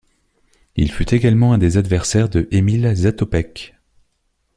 Il fut également un des adversaires de Emil Zátopek.